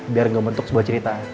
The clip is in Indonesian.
biar gak membentuk sebuah cerita